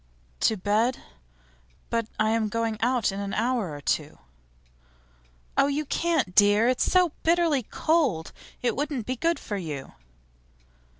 'To bed? But I am going out in an hour or two.' 'Oh, you can't, dear! It's so bitterly cold. It wouldn't be good for you.